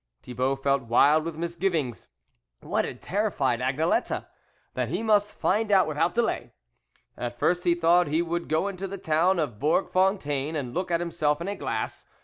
Thibault felt wild with mis givings ; what had so terrified Agne lette ? That he must find out without delay. At first he thought he would go into the town of Bourg Fontaine and look at himself in a glass.